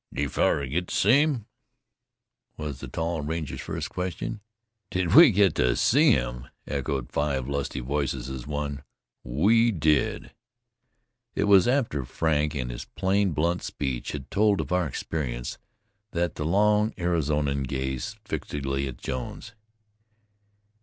"Did yu fellars git to see him?" was the ranger's first question. "Did we get to see him?" echoed five lusty voice as one. "We did!" It was after Frank, in his plain, blunt speech had told of our experience, that the long Arizonian gazed fixedly at Jones.